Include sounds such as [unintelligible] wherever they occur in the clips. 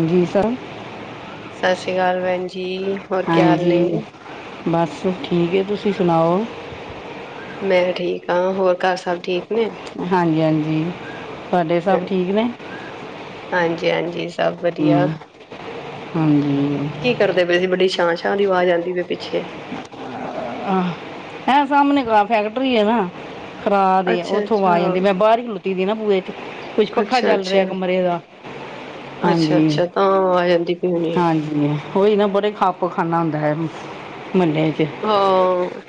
ਹਾਂਜੀ ਸਰ ਸਤਿ ਸ੍ਰੀ ਅਕਾਲ ਭੈਣ ਜੀ ਹੋਰ ਕੀ ਹਾਲ ਨੇ ਹਾਂਜੀ ਬਸ ਠੀਕ ਹੈ ਤੁਸੀਂ ਸੁਣਾਓ ਮੈਂ ਠੀਕ ਹਾਂ ਹੋਰ ਘਰ ਸਭ ਠੀਕ ਨੇ ਹਾਂਜੀ ਹਾਂਜੀ ਤੁਹਾਡੇ ਸਭ ਠੀਕ ਨੇ ਜੀ ਹਾਂਜੀ ਸਭ ਵਧੀਆ ਹਮ, ਹਾਂਜੀ ਕੀ ਕਰਦੇ ਪਏ ਸੀ ਬੜੀ ਛਾਂ ਛਾਂ ਦੀ ਆਵਾਜ਼ ਆਉਂਦੀ ਪਈ ਪਿੱਛੇ ਆਹ ਹੈ ਸਾਹਮਣੇ ਫੈਕਟਰੀ ਆ ਨਾ ਖਰਾ ਦੇ ਅੱਛਾ ਉੱਥੋਂ ਆ ਜਾਂਦੀ ਅੱਛਾ ਮੈਂ ਬਾਹਰ ਹੀ ਖਲੁਤੀ ਦੀ ਨਾ ਬੂਹੇ ਕੁਝ ਪੱਖਾ ਅੱਛਾ ਚੱਲ ਰਿਹਾ ਅੱਛਾ ਕਮਰੇ ਦਾ ਅੱਛਾ ਹਾਂਜੀ ਅੱਛਾ ਤਾਂ ਆ ਜਾਂਦੀ ਪਈ ਹੋਣੀ ਹਾਂਜੀ ਉਹੀ ਨਾ ਬੜੇ ਪਰ ਖਾਣਾ ਹੁੰਦਾ ਹੈ ਮਹੱਲੇ ' ਹਾਂ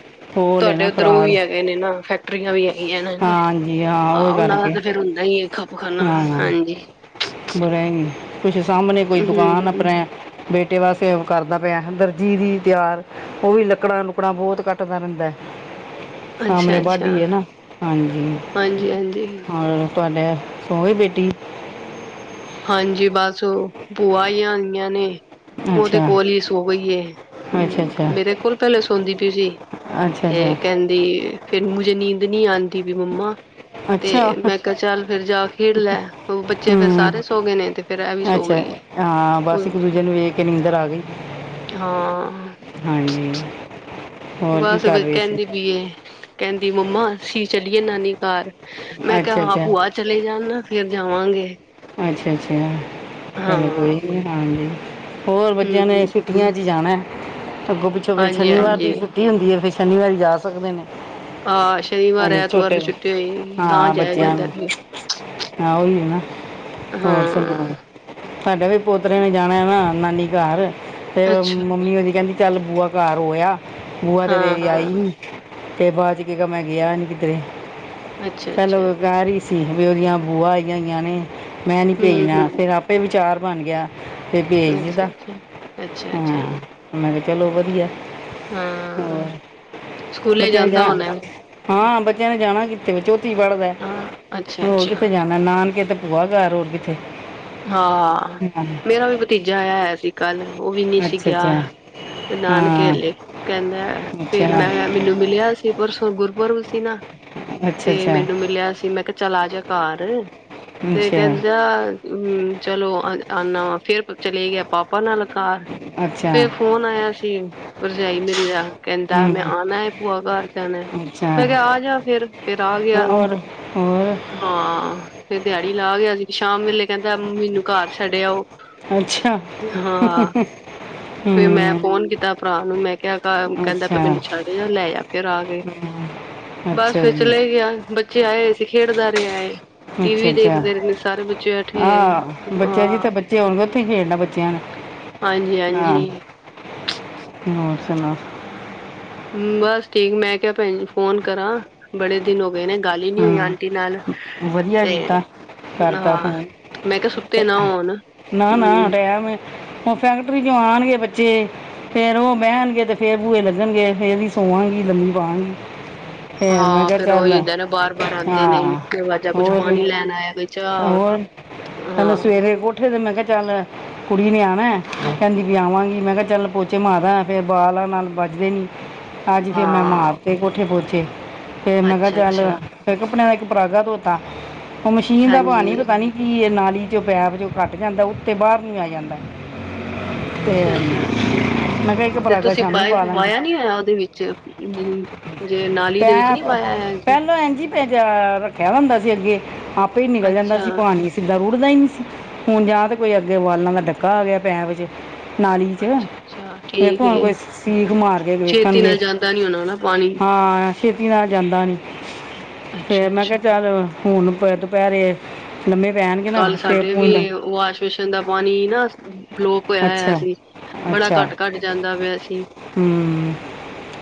ਤੁਹਾਡੇ ਉਧਰ ਉਹ ਖਰਾਦ ਵੀ ਹੈਗੇ ਨੇ ਨਾ ਫੈਕਟਰੀਆਂ ਵੀ ਹੈਗੀਆਂ ਨੇ ਨਾ ਹਾਂਜੀ ਹਾਂ ਉਹ ਆਹੋ ਉਹਨਾ ਦਾ ਕਰਕੇ ਤੇ ਫੇਿਰ ਹੁੰਦਾ ਹੀ ਖੱਪ ਖਾਨਾ ਹਾਂਜੀ ਕੁਛ ਸਾਹਮਣੇ ਕੋਈ ਦੁਕਾਨ ਹਮ ਆਪਣੇ ਬੇਟੇ ਵਾਸਤੇ ਕਰਦਾ ਪਿਆ ਦਰਜੀ ਦੀ ਤਿਆਰ ਉਹ ਵੀ ਲੱਕੜਾਂ ਲੁਕੜਾਂ ਬਹੁਤ ਕੱਟਦਾ ਰਹਿੰਦਾ ਹੈ ਅੱਛਾ ਸਮਣੇ ਅੱਛਾ ਵਾਢੀ ਆ ਨਾ ਹਾਂਜੀ ਹਾਂਜੀ ਹਾਂਜੀ ਹੋਰ ਤੁਹਾਡਾ [unintelligible] ਬੇਟੀ ਹਾਂਜੀ ਬਸ ਉਹ ਭੂਆ ਹੀ ਆਈਆਂ ਨੇ ਉਹਦੇ ਅੱਛਾ ਕੋਲ ਹੀ ਸੋ ਗਈਏ ਅੱਛਾ ਅੱਛਾ ਮੇਰੇ ਕੋਲ ਪਹਿਲੇ ਸੌਦੀ ਪਈ ਸੀ ਅੱਛਾ ਤੇ ਕੇਹੰਦੀ ਫੇਿਰ ਮੁਜ ਨੀਂਦ ਨਹੀਂੀ ਆਉਂਦੀ ਵੀ ਮੰਮਾ ਅੱਛਾ ਤੇ ਅੱਛਾ ਮੈਂ ਕਿਹਾ ਚੱਲ ਫੇਰ ਜਾ ਖੇਡ ਲੈ ਉਹ ਬੱਚੇ ਫੇਿਰ ਹੂੰ ਸਾਰੇ ਸੋ ਗਏ ਨੇ ਤੇ ਫੇਰ ਇਹ ਵੀ ਸੋ ਅੱਛਾ ਗਈ ਏ ਹਾਂ ਬਸ ਇੱਕ ਦੂਜੇ ਨੂੰ ਵੇਖ ਕੇ ਨੀਂਦਰ ਆ ਗਈ ਹਾਂ ਹਾਂਜੀ ਹੋਰ ਕੀ ਬਸ ਕਰ ਰਹੇ ਸੀ ਕਹਿੰਦੀ ਪੀਏ ਕਹਿੰਦੀ ਮੰਮਾ ਅਸੀ ਚਲੀਏ ਨਾਨੀ ਕਾਰ ਮੈਂ ਕਿਹਾ ਅੱਛਾ ਹਾਂ ਅੱਛਾ ਭੂਆਹ ਚਲੇ ਜਾਣ ਨਾ ਫੇਰ ਜਾਵਾਂਗੇ ਅੱਛਾ, ਅੱਛਾ ਹਾਂ ਚਲੋ ਕੋਈ ਨੀ ਹਾਂਜੀ ਹੋਰ ਬੱਚਿਆਂ ਨੇ ਹਮ ਛੁੱਟੀਆਂ ਚ ਜਾਣਾ ਅੱਗੋਂ ਪਿੱਛੋਂ ਫਿਰ ਹਾਂਜੀ ਸ਼ਨੀਵਾਰ ਦੀ ਹਾਂਜੀ ਛੁੱਟੀ ਹੁੰ ਹੈ ਫਿਰ ਸ਼ਨੀਵਾਰ ਜਾ ਸਕਦੇ ਨੇ ਆ ਸ਼ਨੀਵਾਰ ਹਾਂਜੀ ਐਤਵਾਰ ਛੋਟੇ ਨੂੰ ਛੁੱਟੀ ਹੋਈ ਸੀ ਤਾਂ ਹਾਂ ਜਾਇ ਬੱਚਿਆਂ ਜਾਂਦਾ ਨੂੰ ਸੀ ਹਾਂ ਉਹੀ ਨਾ ਹਾਂ ਤੁਹਾਡੇ ਵੀ ਪੋਤਰੇ ਨੇ ਜਾਣਾ ਨਾ ਨਾਨੀ ਘਰ ਤੇ ਅੱਛਾ ਮੰਮੀ ਉਹਦੀ ਕਹਿੰਦੀ ਚੱਲ ਬੂਆ ਘਰ ਆਇਆ ਬੂਆ ਦੇ ਹਾਂ ਦੇਵੀ ਆਈ ਹਾਂ ਸੀ ਤੇ ਬਾਅਦ ਚ ਕੇ ਮੈਂ ਗਿਆ ਨੀ ਕਿਧਰੇ ਅੱਛਾ ਚਲ ਅੱਛਾ ਗਹਿ ਰਹੀ ਸੀਖ ਵੀ ਉਹਦੀਆਂ ਬੂਆ ਆਈਆਂ ਹੋਈਆਂ ਨੇ ਮੈਂ ਨਹੀਂ ਹਮ ਭੇਜਣਾ ਫਿਰ ਹਮ ਆਪੇ ਵਿਚਾਰ ਬਣ ਗਿਆ ਤੇ ਵੇਖ ਅੱਛਾ ਜਦਾ ਅੱਛਾ ਅੱਛਾ ਹਾਂ ਅੱਛਾ ਮੈਂ ਕਿਹਾ ਚਲੋ ਵਧੀਆ ਹਾਂ ਸਕੂਲੇ ਬੱਚਿਆਂ ਨੇ ਜਾਂਦਾ ਜਾ ਹੋਣਾ ਹਾਂ ਬੱਚਿਆਂ ਨੇ ਜਾਣਾ ਕਿ ਤੇ ਚੌਥੀ ਚ ਪੜ੍ਹਦਾ ਹਾਂ ਅੱਛਾ ਹੋਰ ਕਿੱਥੇ ਅੱਛਾ ਜਾਣਾ ਨਾਨਕੇ ਤੇ ਭੂਆ ਕਰ ਹੋਰ ਕਿੱਥੇ ਹਾਂ ਮੇਰਾ ਵੀ ਭਤੀਜਾ ਆਇਆ ਸੀ ਕੱਲ ਉਹ ਵੀ ਨਹੀਂੀ ਸੀ ਅੱਛਾ ਗਿਆ ਅੱਛਾ ਹਾਂ ਨਾਨਕੇਲੇ ਕਹਿੰਦਾ ਫੇਿਰ ਮੈਂ ਅੱਛਾ ਮੈਨੂੰ ਮਿਲਿਆ ਸੀ ਪਰ ਗੁਰਪੁਰਬ ਸੀ ਨਾ ਅੱਛਾ ਤੇ ਮੈਨੂੰ ਮਿਲਿਆ ਸੀ ਮੈਂ ਕਿਹਾ ਚਲਾ ਜਾਹਾ ਕਾਰ ਤੇ ਅੱਛਾ ਕਹਿੰਦਾ ਹੂੰ ਚਲੋ ਆਨਾ ਵ ਫੇਰ ਚਲੇ ਗਿਆ ਪਾਪਾ ਨਾਲ ਕਾਰ ਅੱਛਾ ਅੱਛਾ ਫ ਫੋਨ ਆਇਆ ਸੀ ਪਰਜਾਇ ਮੇਰੀ ਦਾ ਕਹਿੰਦਾ ਮੈਂ ਹੂੰ ਆਣਾ ਭੂਆ ਘਰ ਜਾਣਾ ਅੱਛਾ ਮੈਂ ਕਿਹਾ ਆ ਜਾ ਫਿਰ ਫਿਰ ਆ ਗਿਆ ਹੋਰ ਹੋਰ ਹਾਂ ਫੇਰ ਦਿਹਾੜੀ ਲਾ ਗਿਆ ਸੀ ਸ਼ਾਮ ਵੇਲੇ ਕਹਿੰਦਾ ਮੈਨੂੰ ਘਰ ਛੱਡਿਆਓ ਅੱਛਾ ਫਿਰ ਮੈਂ ਹੂੰ ਫੋਨ ਕੀਤਾ ਭਰਾ ਨੂੰ ਮੈਂ ਕਿਹਾ ਕਹਿੰਦਾ ਪ ਅੱਛਾ ਮੈਨੂੰ ਛੱਡ ਲੈ ਆ ਫਿਰ ਆ ਕੇ ਬਸ ਅੱਛਾ ਫਿਰ ਜੀ ਚਲੇ ਗਿਆ ਬੱਚੇ ਆਏ ਸੀ ਖੇਡਦਾ ਰਿਹਾਏ ਅੱਛਾ, ਬੈਠੇ ਅੱਛਾ ਆਹ ਹੋਏ ਬੱਚਾ ਜੀ ਹਾਂ ਤਾਂ ਬੱਚੇ ਆਉਣਗੇ ਉੱਥੇ ਖੇਡਦਾ ਬੱਚਿਆਂ ਨੂੰ ਹਾਂ ਹਾਂਜੀ-ਹਾਂਜੀ, ਹੋਰ ਸੁਣਾ ਬਸ ਠੀਕ ਮੈਂ ਕਿਹਾ ਭੈ ਫੋਨ ਕਰਾਂ ਬੜੇ ਦਿਨ ਹੋ ਗਏ ਨੇ ਗੱਲ ਹੀ ਨੀ ਹੋਈ ਹੂੰ ਆਂਟੀ ਨਾਲ ਵਧੀਆ ਤੇ ਕੀਤਾ ਕਰਤਾ ਹਾਂ ਫੋਨ ਮੈਂ ਕਿਹਾ ਸੁੱਤੇ ਨਾ ਆਣ ਨਾ ਨਾ ਹੂੰ ਟਾਈਮ ਹੈ ਉਹ ਫੈਕਟਰੀ ਚੋਂ ਆਉਣਗੇ ਬੱਚੇ ਫੇਰ ਉਹ ਬਹਿਣਗੇ ਤੇ ਫੇਰ ਬੂਹੇ ਲੱਗਣਗੇ ਫੇਰ ਪਵਾਂਗੀ ਲੰਮਮੀ ਪਾਵਾਂਗੀ ਫੇਰ ਮੈਂ ਹਾਂ ਕਿਹਾ ਚੱਲ ਉਹੀ ਹੁੰਦਾ ਨਾ ਬਾਰ-ਬਾਰ ਆਂਦੇ ਨੇ ਹਾਂ ਦਰਵਾਜ਼ਾ ਕੁਛ ਹੋਰ, ਪਾਣੀ ਲੈਣ ਆਇਆ ਕੋਈ ਚਾਹ ਹੋਰ ਹਲੋ ਸਵੇਰੇ ਕੋਠੇ ਤੇ ਮੈਂ ਕਿਹਾ ਚੱਲ ਕੁੜੀ ਨੇ ਆਉਣਾ ਕਹਿੰਦੀ ਵੀ ਆਵਾਂਗੀ ਮੈਂ ਕਿਹਾ ਚੱਲ ਪੋਚੇ ਮਾ ਦਾ ਫੇਰ ਬ ਨਾਲ ਬੱਜਦੇ ਨੀ ਅੱਜ ਫੇਿਚਰ ਮੈਂ ਮਾਂ ਆਪ ਹਾਂ-ਹਾਂ, ਤੇ ਕੋਠੇ ਪੱਚੇ ਫਿਰ ਮੈਂ ਕਿਹਾ ਚੱਲ ਅੱਛਾ-ਅੱਛਾ, ਫਿਰ ਕੱਪੜਿਆਂ ਦਾ ਇੱਕ ਪਰਾਗਾ ਧੋਤਾ ਉਹ ਮਸ਼ੀਨ ਦਾ ਪਾਣੀ ਹਾਂਜੀ। ਪਤਾ ਨੀ ਕਿ ਨਾਲ ਚ ਪੈਪ ਚ ਘੱਟ ਜਾਂਦਾ ਉਤੇ ਬਾਹਰ ਨ ਆ ਜਾਂਦਾ ਤੇ ਅੱਛਾ-ਅੱਛਾ, ਮੈਂ ਕਿਹਾ ਇੱਕ ਤੇ ਪਰਾਗਾ ਤੁਸੀਂ ਸ਼ਾਮੀ ਪਾਈਪ ਪਾ ਲਾਂਗੀ ਪਾਇਆ ਨੀ ਹੋਇਆ ਉਹਦੇ ਵਿੱਚ ਅਮ ਜੇ ਨਾਲੀ ਦੇ ਵਿੱਚ ਨੀ ਪਾਇਆ ਹੋਇਆ ਜੀ, ਪਹਿਲੋ ਐਂਝ ਪੈ ਰੱਖਿਆ ਹੁੰਦਾ ਸੀ ਅੱਗੇ ਆਪੇ ਹੀ ਨਿਕਲ ਜਾਂਦਾ ਅੱਛਾ। ਸੀ ਪਾਣੀ ਸਿੱਧਾ ਰੁੜਦਾ ਹੀ ਨਹੀਂ ਸੀ ਹੁਣ ਜਾਂ ਤੇ ਕੋਈ ਅੱਗੇ ਉਾਲਾਂ ਦਾ ਡੱਕਾ ਆ ਗਿਆ ਪੈ ਵਿੱਚ ਨਾਲੀ ਚ ਅੱਛਾ-ਅੱਛਾ, ਵੇਖੋ ਠੀਕ ਹੁਣ ਏ। ਕੋਈ ਸੀਖ ਮਾਰ ਕੇ ਛੇਤੀ ਵੇਖਣਗੇ ਨਾਲ ਜਾਂਦਾ ਨੀ ਹੋਣਾ ਨਾ ਪਾਣੀ ਹ ਹਾਂ ਛੇਤੀ ਨਾਲ ਜਾਂਦਾ ਨੀ ਫੇਿਰ ਅੱਛਾ ਮੈਂ ਕਿਹਾ ਅੱਛਾ ਚੱਲ ਹੁਣ ਦੁਪਹਿਰੇ ਲੰਮੇ ਪੈਣਗੇ ਨਾ ਕੱਲ ਫੇਰ ਸਾਡੇ ਵੀ ਪੂੰਡ ਵਾਸ਼ ਵਸ਼ਸ਼ਨ ਦਾ ਪਾਣੀ ਨਾ ਬਲੋਕ ਹੋਇਆ ਹੋਇਆ ਅੱਛਾ ਸੀ ਬੜਾ ਅੱਛਾ ਘੱਟ ਘੱਟ ਜਾਂਦਾ ਪਿਆ ਸੀ ਹੂੰ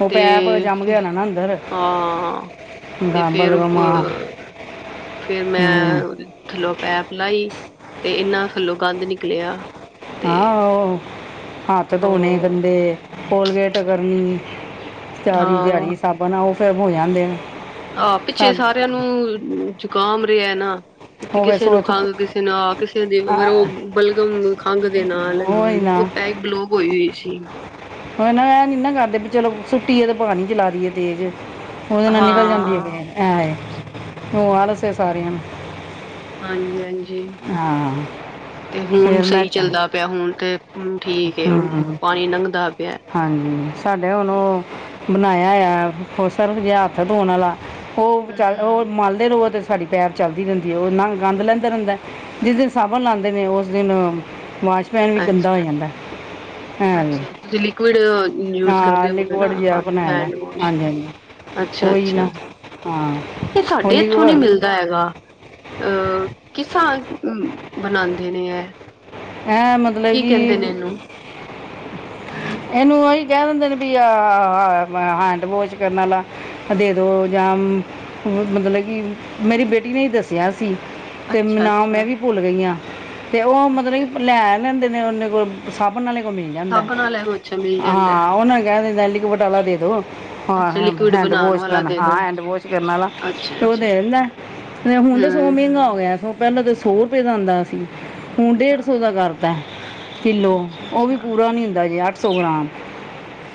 ਉਹ ਤੇ ਪੈਪ ਜੰਮ ਗਿਆ ਨਾ ਨਾ ਅੰਦਰ ਹਾਂ ਤੇ ਗਾਂ ਫੇਰ ਬਲਗਮਾ ਅ ਫੇਰ ਮੈਂ ਹੂੰ ਥੱਲੋਂ ਪੈ ਹੀ ਤੇ ਇਨਾ ਥੱਲੋਂ ਗੰਦ ਨਿਕਲਿਆ ਤੇ ਹਾਂ ਹੱਥ ਧੋਣੇ ਹਾਂ ਗੰਦੇ ਕੋਲਗੇਟ ਕਰਨੀ ਸਾਰੀ ਦਿਹਾੜ ਹਾਂ ਸਾਬਨ ਉਹ ਫਿਰ ਹੋ ਜਾਂਦੇ ਨੇ ਆਹ ਪਿੱਛੇ ਸਾ- ਸਾਰਿਆਂ ਨੂੰ ਜ਼ੁਕਾਮ ਰਿਹਾ ਨਾ ਉਹ ਫਿਰ ਕਿਸੇ ਨੂੰ ਸੋ ਥੁੱਕ ਖੰਘ ਕਿਸੇ ਨਾਲ ਕਿਸੇ ਦੇਰ ਉਹ ਬਲਗਮ ਖੰਘ ਦੇ ਨਾਲ ਉਹ ਹੀ ਨਾ ਉਹ ਪੈਕ ਬਲੋਗ ਹੋਈ ਹੋਈ ਸੀ ਹ ਨਾ ਇਹ ਨਹੀਂ ਨਾ ਕਰਦੇ ਵੀ ਚਲੋ ਸੁੱਏ ਤੇ ਪਾਣੀ ਜਲਾ ਲਈ ਏ ਤੇਜ਼ ਉਹਦੇ ਨਾਲ ਨਿਕਲ ਜਾਂਦੀ ਹਾਂ ਹੈ ਐ ਉਹ ਆਹ ਉਹੀ ਨਾ ਦੱਸੇ ਸਾਰਿਆਂ ਨੂੰ ਹਾਂਜੀ ਹਾਂਜੀ ਹਾਂ ਤੇ ਹੁਣ ਫਿਰ ਮੈਂ ਸਹੀ ਚੱਲਦਾ ਪਿਆ ਹੁਣ ਤੇ ਹਮ ਠੀਕ ਏ ਹੁਣ ਹਮ ਪਾਣੀ ਲੰਘਦਾ ਪਿਆ ਹਾਂਜੀ ਸਾਡੇ ਹੁਣ ਉਹ ਬਣਾਇਆ ਹੋਇਆ ਫੋਸ ਜਿਹਾ ਹੱਥ ਧੋਣ ਵਾਲਾ ਉਹ ਚ ਉਹ ਹਮ ਮੰਨਦੇ ਰ ਤੇ ਸਾਡੀ ਪੈਰ ਚਲਦੀ ਰਹਿੰਦੀ ਹੈ ਉਹ ਨ ਗੰਦ ਲੈਂਦਾ ਰਹਿੰਦਾ ਜਿਸ ਦਿਨ ਸਾਬਣ ਲਾਉਦੇ ਨੇ ਉਸ ਦਿਨ ਪੈਨ ਵੀ ਗੰਦਾ ਅੱਛਾ ਹੋ ਜਾਂਦਾ ਹੈ ਵੀ ਲ ਯੂ ਕਰਦੇ ਹਾਂ ਹੋ ਲਿਕਵਿਡ ਜਿਹਾ ਬਣਾਇਆ ਦਾ ਨਾਡ ਹਾਂਜੀ ਹਾਂਜੀ ਅੱਛਾ ਉਹੀ ਅੱਛਾ ਨਾ ਹਾਂ ਇਹ ਉਹ ਸਾਡੇ ਇੱਥੋਂ ਨੀ ਲਿਕਵਿਡ ਮਿਲਦਾ ਹੈਗਾ ਅਹ ਕਿਸਾਂ ਬਣਾਉਂਦੇ ਨੇ ਹੈ ਹੈਂ ਮਤਲਬ ਕਿ ਇਹਨੂੰ ਉਹੀ ਕਹਿ ਦਿੰਦੇ ਨੇ ਵੀ ਆ ਹੈਂਡ ਵੋਸ਼ ਕਰਨਾ ਦੇ ਦੋ ਜਾਂ ਮਤਲਬ ਕਿ ਮੇਰੀ ਬੇਟੀ ਨੇ ਹੀ ਦੱਸਿਆ ਤੇ ਅੱਛਾ ਨਾ ਮੈਂ ਅੱਛਾ ਵੀ ਭੁੱਲ ਗਈ ਹਾਂ ਤੇ ਉਹ ਮਤਲਬ ਅੱਛਾ ਲ ਲੈਂਦੇ ਨੇ ਉਹੇ ਕੋਲ ਸਾਬਣ ਵਾਲੇ ਕੋ ਮਿਲ ਜਾਂਦਾ ਸਾਬਣ ਵਾਲਾ ਵੀ ਅੱਛਾ ਮਿਲ ਜਾਂਦਾ ਹਾਂ ਉਹਨਾਂ ਨੂੰ ਕਹਿ ਦਿੰਦਾ ਬਟ ਅਲਾਾਦੇੋ ਹ ਹੈ। ਅੱਛਾ ਲਿਕੁਿਡ ਹੈਂਡ ਬਣਾਉਣ ਵੋਸ਼ ਵਾਲਾ ਕਰਨ ਦੇ ਹਾਂ ਦੋ ਹੈਂਡ ਵੋਸ਼ ਕਰਨ ਵਾਲਾ ਅੱਛਾ ਉਹ ਅੱਛਾ ਦੇ ਦਿੰਦਾ ਹੁਣ ਤਾਂ ਸੌ ਹਮ ਮਹਿੰਗਾ ਹੋ ਗਿਆ ਸੋ ਪਹਿਲਾਂ ਤਾਂ ਸੌ ਰੁਪਏ ਦਾ ਆਦਾ ਸੀ ਹੁਣ ਅੱਛਾ ਦਾ ਕਰਤਾ ਕਿੱਲੋ ਅੱਛਾ ਉਹ ਵੀ ਅੱਛਾ ਪੂਰਾ ਨੀ ਹੁੰਦਾ ਜੇ ਅੱਠ ਸੌ ਗ੍ਰਾਮ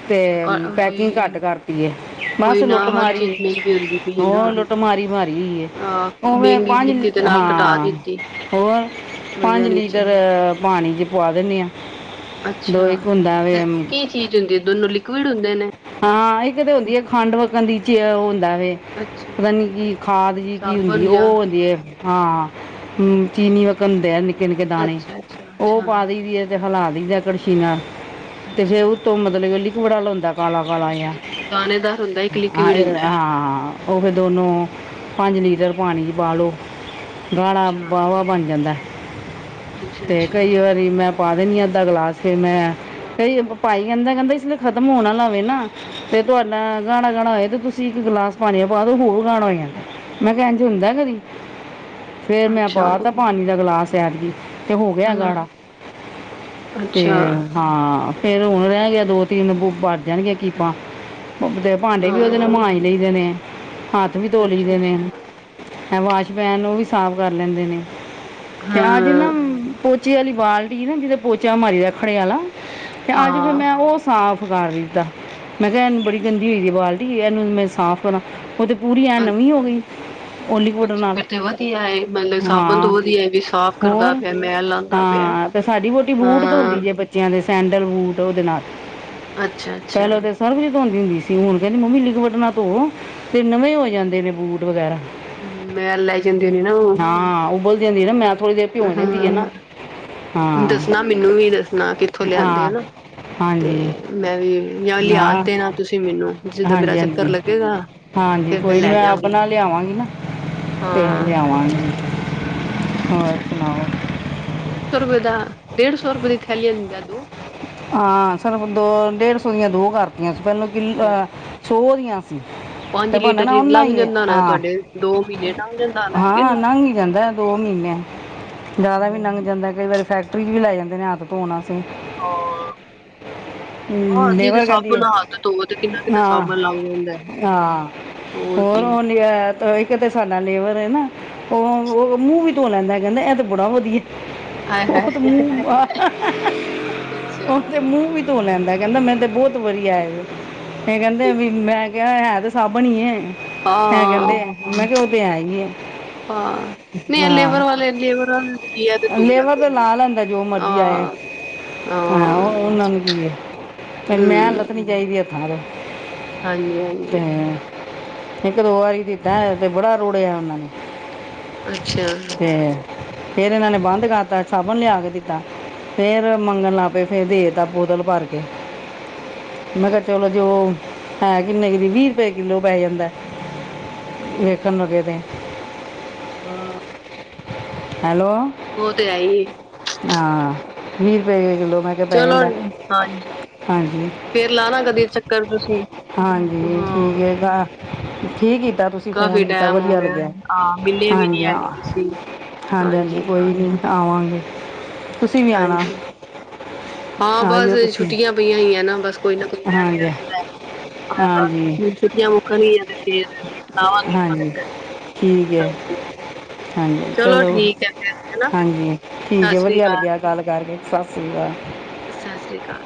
ਤੇ ਅੱਛਾ ਪੈਕਿੰਗ ਘੱਟ ਵੀ ਕਰਤੀ ਹੈ ਬਸ ਉਹੀ ਨਾ ਲੁੱਟ ਹਰ ਮਾਰੀਏ ਚੀਜ਼ ਮਹਿੰਗੀ ਹੁੰਦੀ ਪਈ ਹੈ ਹੋ ਨਾ ਲੁੱਟ ਮਾਰੀ ਮਾਰੀਈ ਅਹ ਉਹ ਫ ਮਹਿੰਗੀ ਪੰਜ ਕੀਤੀ ਤੇ ਨਾਲ ਕਟਾ ਹਾਂ ਦਿੱਤੀ ਹੋਰ ਪੰਜ ਵਜ੍ਹਾ ਨੀਚੇ ਲੀਟਰ ਪਾਣੀ 'ਚ ਪਆ ਦਿੰਦੇ ਹਾਂ ਅੱਛਾ ਤੇ ਕੀ ਚੀਜ਼ ਹੁੰਦੀ ਹੈ ਦੋਨੋ ਲਿਕੁਿਡ ਹੁੰਦੇ ਨੇ ਹਾਂ ਇੱਕ ਤਾਂ ਹੁੰਦੀ ਆ ਖੰਡ ਵਕਣ ਦੀ ਚ ਉਹ ਹੁੰਦਾ ਵ ਅੱਛਾ ਪਤਾ ਨੀ ਅੱਛਾ ਕੀ ਖਾਦ ਜਿਹੀ ਕੀ ਹੁੰਦੀ ਸਾਬਣ ਜਾਂ ਉਹ ਹਦੀ ਹੈ ਹਾਂ ਹਮ ਚੀਨੀ ਵ ਘ ਹੁੰਦੇ ਆ ਨਿੱਕੇ ਨਿੱਕੇ ਦਾਣੇ ਅੱਛਾ ਅੱਛਾ ਉਹ ਅੱਛਾ ਪਾ ਦਦੀ ਹੈ ਅਤੇ ਹਿਲਾ ਦਦੇ ਕੜਛੀ ਨਾਲ ਤੇ ਫੇਰ ਅੱਛਾ ਉਹਤੋਂ ਮਤਲਬ ਕਿ ਲਿਕਵੜਾ ਲਾਉਦਾ ਕਾਲਾ ਕਾਲਾ ਅੱਛਾ ਜ ਇੱਕ ਦਾਣੇਦਾਰ ਹੁੰਦਾ ਇੱਕ ਲਿਕੁਿਡ ਹੁੰਦਾ ਹਾਂ ਉਹ ਵੀ ਦੋਨੋ ਪੰਜ ਲੀਟਰ ਪਾਣੀ ਚ ਬਾਹੋ ਗਾਣਾਾ ਅੱਛਾ ਵਾਹਵਾ ਬਣ ਜਾਂਦਾ ਅੱਛਾ ਤੇ ਅੱਛਾ ਕਈ ਵਾਰੀ ਮੈਂ ਪਾ ਦੇਣੀ ਆ ਅੱਧਾ ਗਲਾਸ ਫ ਮੈਂ ਕਈ ਭਾਈ ਕਹਿੰਦਾ ਕਹਿੰਦਾ ਇਸ ਲਈ ਖ਼ਤਮ ਹੋਣਾ ਲਾਵੇ ਨਾ ਤੇ ਤੁਹਾਡਾ ਗਾਣਾ ਗਾਣਾ ਹੋਏ ਤੇ ਤੁਸੀਂ ਇੱਕ ਗਲਾਸ ਪਾਣੀ ਪਾਦ ਹੋਰ ਗਾਣ ਹੋ ਜਾਂਦਾ ਮੈਂ ਕਹਿਣਦੇ ਹੁੰਦਾ ਕਦੀ ਫੇਰ ਮੈਂ ਅੱਛਾ ਹਾਂ ਅੱਛਾ ਪਾਤਾ ਪਾਣੀ ਦਾ ਗਿਲਾਸ ਐਦਗੀ ਤੇ ਹੋ ਅ ਗਿਆ ਗਾੜਾ ਤੇ ਅੱਛਾ ਹਾਂ ਫੇਿਰ ਹੁਣ ਰਹਿ ਗਿਆ ਦੋ ਤਿੰਨ ਵੜ ਜਾਣਗੀਆਂ ਕੀਪਾਂ ਤੇ ਭਾਂਡੇ ਵੀ ਉਹਦੇ ਨੇ ਮਾਂਜ ਲਈ ਦੇ ਨੇ ਹੱਥ ਵੀ ਤੋ ਲਈ ਦੇ ਨੇ ਅੱਛਾ ਵਾਸ਼ਪੈਨ ਉਹ ਵੀ ਸਾਫ਼ ਕਰ ਲੈਂਦੇ ਨੇ ਤੇ ਅਜ ਨਾ ਹਮ ਪਚੇ ਵਾਲੀ ਬਾਲਟੀ ਨਾ ਜਿਹਦੇ ਪੋਚਾ ਮਰੀ ਦਾੱਖੜੇ ਵਾਲਾ ਅਤੇ ਅੱਜ ਫਿਰ ਹਾਂ ਮੈਂ ਉਹ ਸਾਫ ਕਰ ਰਹੀ ਮੈਂ ਕਿਹਾ ਇਹਨੂੰ ਬੜੀ ਗੰਦੀ ਹੋ ਸੀ ਆ ਬਾਲਟੀ ਇਹਨੂੰ ਮੈਂ ਸਾਫ਼ ਕਰਾਂ ਉਹ ਤੇ ਪੂਰੀ ਐ ਨਵੀਂ ਹੋ ਗਈ ਉਹ ਲਿਕਵਿਡ ਅੱਛਾ ਨਾਲ ਫਿਰ ਤੇ ਵਧੀਆ ਹੈ ਮਤਲਬ ਸਾਬਣ ਹਾਂ ਤੋਂ ਵਧੀਆ ਵੀ ਸਾਫ਼ ਕਰਦਾ ਹੋਰ ਪਿਆ ਮੈਲ ਲਾਉਂਦਾ ਪਿਆ ਹੈ। ਹਾਂ ਤੇ ਸਾਡੀ ਵਹੁਟੀ ਬੂਟ ਹਾਂ ਧੋਂਦੀ ਜੇ ਬੱਚਿਆਂ ਦੇ ਸੈਂਡਲ ਬੂਟ ਉਹਦੇ ਨਾਲ ਅੱਛਾ ਅੱਛਾ ਪਹਿਲਾਂ ਤੇ ਸਰਫ ਜੀ ਧੋਂਦੀ ਹੁੰਦੀ ਸੀ ਹੁਣ ਕਹਿੰਦੀ ਮੰਮੀ ਲਿਗ ਵੱਟਣਾ ਧੋ ਤੇ ਨਵੇਂ ਹੋ ਜਾਂਦੇ ਨੇ ਬੂਟ ਵਗੈਰਾ ਹਮ ਮੈਂ ਲੈ ਜਾਂਦੀ ਹੋਣੀ ਨਾ ਉਹ ਦਿੰਦੀ ਨਾ ਮੈਂ ਥੋੜ੍ਹੀ ਦੇਰ ਭਿਉਂ ਹਿੰਦੀ ਹੈ ਨਾ ਹਾਂ ਹਾਂ ਦੱਸਣਾ ਮੈਨੂੰ ਵੀ ਦੱਸਣਾ ਕਿੱਥੋਂ ਲਿਆਂਦੇ ਹੋ ਹਾਂ ਨਾ ਤੇ ਹਾਂਜੀ ਮੈਂ ਵੀ ਜਾਂ ਲਿਆ ਤੇ ਨਾ ਤੁਸੀਂ ਮੈਨੂੰ ਜਿੱਦਾਂ ਮੇਰਾ ਹਾਂਜੀ ਚੱਕਰ ਹਾਂਜੀ ਲੱਗੇਗਾ ਹਾਂਜੀ ਫਿਰ ਕੋਈ ਨੀ ਲੈ ਮੈਂ ਜਾਗੀ ਆਪਣਾ ਲਿਆਵਾਂਗੀ ਨਾ ਹਾਂ ਰਵਾਂਗੇ ਹੋਰ ਸੁਣਾਓ ਡੇਢ ਸੌ ਰੁਪਏ ਦਾ ਡੇਢ ਸੌ ਰੁਪਏ ਦੀ ਥੈਲੀ ਦਾਦੂ ਹਾਂ ਸਾਨੂੰ ਦੋ ਡੇਢ ਸੌ ਦੀਆਂ ਦੋ ਕਰਤੀਆਂ ਸੀ ਪਹਿਲਾਂ ਅੱਛਾ ਕਿ ਅੱਛਾ ਸੌ ਦੀਆਂ [inaudible] ਪੰਜ ਤੇ ਲੀਟਰ ਬਣਣਾ ਚ ਓਨਾ ਲੰਘ ਹੀ ਜਾਂਦਾ ਹੋਣਾ ਹਾਂ ਤੁਹਾਡੇ ਦੋ ਮਹੀਨੇ ਲੰਘ ਜਾਂਦਾ ਹੋਣਾ ਕਿ ਹਾਂ ਨਹੀਂ ਨੰਘ ਜਾਂਦਾ ਦੋ ਮਹੀਨੇ ਜ਼ਿਆਦਾ ਵੀ ਲੰਘ ਜਾਂਦਾ ਕਈ ਵਾਰੀ ਫੈਕਟਰੀ ਚ ਵੀ ਲਾੈ ਜਾਂਦੇ ਨੇ ਹੱਥ ਧੋਣ ਅਸੀਂ ਹਾਂ ਹਾਂ ਹਮ ਨਹੀਂ ਤੇ ਨੇਵਰ ਕਹਿੰਦੀ ਸਾਬਣ ਆ ਨਾਲ ਹੱਥ ਧੋਵੋ ਤੇ ਕਿੰਨਾ ਕਿੰਨਾ ਹਾਂ ਸਾਬਣ ਲੱਗ ਜਾਂਦਾ ਹਾਂ ਹੋਰ [unintelligible] ਕਿਤੇ ਸਾਡਾ ਲੇਬਰ ਹੈ ਨਾ ਉਹ ਮੂੰਹ ਵੀ ਧੋ ਲੈਂਦਾ ਕਹਿੰਦਾ ਇਹ ਤੇ ਬੜਾ ਵਧੀਆ ਆਏ ਹਾਏ ਉਹ ਤੇ ਮੂੰਹ ਅੱਛਾ ਉਹਦੇ ਮੂੰਹ ਵਿੱਚ ਧੂੰ ਲੈਂਦਾ ਕਹਿੰਦਾ ਮੈਂ ਤੇ ਬਹੁਤ ਵਧੀਆ ਹੈ ਮ ਕਹਿੰਦੇ ਠੀਕ। ਵੀ ਮੈਂ ਕਿਹਾ ਸਭਣੀ ਐਂ ਹਾਂ ਕਹਿੰਦੇ ਆ ਮੈਂ ਕਿਹਾ ਉਹ ਤੇ ਐ ਹੀ ਆ ਹਾਂ ਨਹੀਂ ਲੇਬਰ ਵਾਲੇ ਲੇਬਰ ਵਾਲੇ ਤੇ ਕੀ ਹੈ ਤੇ ਆਹ ਧੋ ਲੇਬਰ ਲੈਂਦੇ ਤੇ ਨੇ ਲਾ ਲੈਂਦਾ ਜੋ ਮਰਜੀੀ ਆਏ ਹਾਂ ਹਾਂ ਉਹਨਾਂ ਨੂੰ ਕੀ ਹੈ ਮੈਂ ਹਮ ਹਾਲਤ ਨੀ ਚਾਹੀਦੀ ਹੱਥਾਂ ਹਾਂਜੀ ਤੇ ਹਾਂਜੀ ਇੱਕ ਦੋ ਵਾਰੀਤਾ ਤੇ ਬੜਾ ਰੋੜਿਆ ਉਹਨਾਂ ਨੇ ਅੱਛਾ ਤੇ ਫੇਰ ਇਹਨਾਂ ਨੇ ਬੰਦ ਕਰ ਦਿੱ ਸਾਬਣ ਲਿਆ ਕੇ ਦਿੱਤਾ ਫੇਰ ਮੰਗਣ ਲੱਗ ਪਏ ਫੇਰ ਦੇਤਾ ਬੋਤਲ ਭਰ ਕੇ ਹਮ ਮੈਂ ਕਿਹਾ ਚਲੋ ਜੋ ਹੈ ਕਿੰਨੇ ਕੁ ਵੀਹ ਰੁਪਏ ਕਿੱਲੋ ਪੈ ਜਾਂਦਾ ਅੱਛਾ ਅੱਛਾ ਵੇਖਣ ਲੱਗੇ ਤੇ [unintelligible] ਹੈਲੋ ਉਹ ਤੇ ਆਈ ਹਾਂ ਵੀਹ ਰੁਪਏ ਕਿੱਲੋ ਚਲੋ ਹਾਂਜੀ ਹਾਂਜੀ ਫੇਰ ਲਾਣਾ ਕਦੇ ਚੱਕਰ ਤੁਸੀਂ ਹਾਂਜੀ ਹਾਂ ਠੀਕ ਹੈ ਤਾਂ ਠੀਕ ਹੀ ਕੀਤਾ ਤੁਸੀਂ ਕਾਫੀ ਫੋਨ ਕੀਤਾ ਟੈਮ ਹੋ ਵਧੀਆ ਗਿਆ ਲੱਗਿਆ ਹਾਂ ਮਿਲੇ ਵੀ ਨੀ ਹਾਂਜੀ ਹਾਂ ਹੈਗੇ ਤੁਸੀਂ ਹਾਂਜੀ ਹਾਂਜੀ ਕੋਈ ਨੀ ਆਵਾਂਗੇ। ਤੁਸੀਂ ਵੀ ਆਨਾ। ਹਾਂਜੀ ਹਾਂ ਬਸ ਛੁੱਟੀਆਂ ਪਈਆਂ ਹੋਈਆਂ ਏ ਨਾ ਬਸ ਕੋਈ ਨਾ ਕੋਈ ਆਇਆ ਗਿਆ ਹਾਂਜੀ ਰਹਿੰਦਾ। ਹਾਂ ਹਾਂਜੀ ਬਸ ਛੁਟੀਆਂ ਮੁੱਕਣ ਗਿਆ ਤੇ ਫੇਰ ਲਾਵਾਂਗੀ ਮੈਂ ਹਾਂਜੀ ਚੱਕਰ ਠੀਕ ਹੈ। ਹਾਂਜੀ ਹਾਂਜੀ ਹਾਂਜੀ ਚਲੋ ਠੀਕ ਹੈ ਫੇਰ ਹਨਾ ਹਾਂਜੀ ਠੀਕ ਸਤਿ ਹੈ ਸ੍ਰੀ ਵਧੀਆ ਲੱਗਿਆ ਅਕਾਲ ਗੱਲ ਕਰਕੇ ਸਤਿ ਸ਼੍ਰੀ ਕਾਲ। ਸਤਿ ਸ੍ਰੀ ਅਕਾਲ